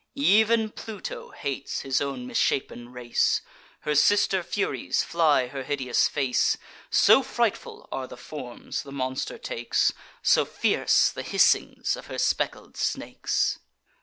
Ev'n Pluto hates his own misshapen race; Her sister Furies fly her hideous face; So frightful are the forms the monster takes, So fierce the hissings of her speckled snakes.